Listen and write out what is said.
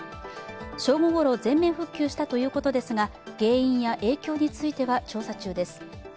正午ごろ、全面復旧したということですが原因や影響については調査中です。